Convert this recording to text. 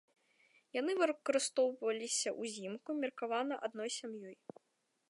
Яны выкарыстоўваліся ўзімку, меркавана адной сям'ёй.